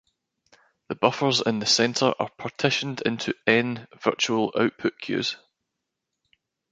The buffers in the center are partitioned into N virtual output queues.